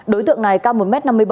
đối tượng này cao một m năm mươi bảy